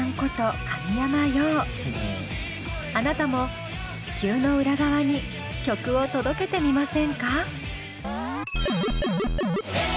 あなたも地球の裏側に曲を届けてみませんか？